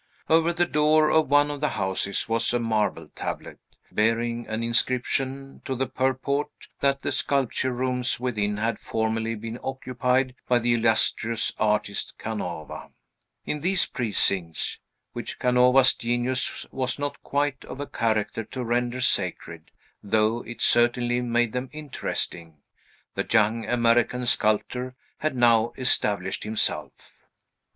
Over the door of one of the houses was a marble tablet, bearing an inscription, to the purport that the sculpture rooms within had formerly been occupied by the illustrious artist Canova. In these precincts (which Canova's genius was not quite of a character to render sacred, though it certainly made them interesting) the young American sculptor had now established himself.